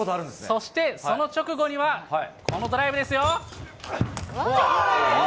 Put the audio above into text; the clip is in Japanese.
そして、その直後には、このドライブですよ。